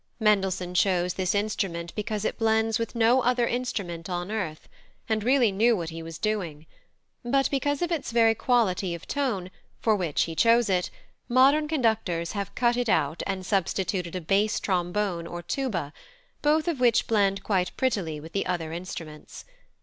Mendelssohn chose this instrument because it blends with no other instrument on earth, and really knew what he was doing; but, because of its very quality of tone, for which he chose it, modern conductors have cut it out and substituted a bass trombone or tuba, both of which blend quite prettily with the other instruments.